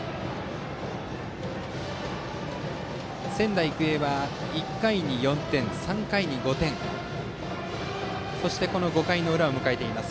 仙台育英は１回に４点、３回に５点そして５回裏を迎えています。